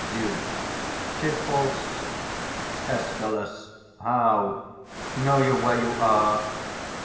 Duke. 'Tis false. Escal. How! know you where you are?